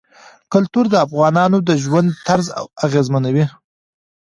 کلتور د افغانانو د ژوند طرز اغېزمنوي.